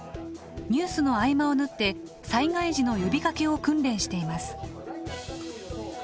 ニュースの合間を縫って災害時の呼びかけを訓練しています。